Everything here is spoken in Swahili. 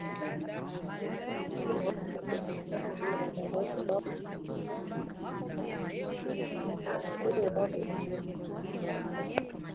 ndwa kwa serikali ya umoja wa kitaifa kunafungua ukurasa mpya